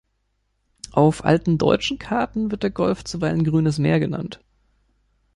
Auf alten deutschen Karten wird der Golf zuweilen „Grünes Meer“ genannt.